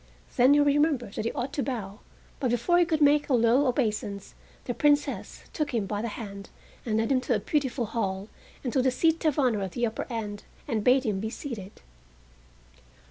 Then he remembered that he ought to bow, but before he could make a low obeisance the Princess took him by the hand and led him to a beautiful hall, and to the seat of honor at the upper end, and bade him be seated.